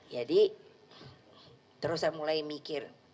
jadi terus saya mulai mikir